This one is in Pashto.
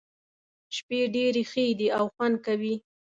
شپې ډېرې ښې دي او خوند کوي.